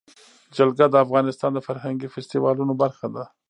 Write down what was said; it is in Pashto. جلګه د افغانستان د فرهنګي فستیوالونو برخه ده.